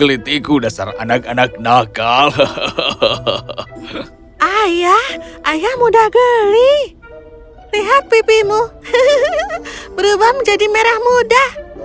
lihat pipimu berubah menjadi merah muda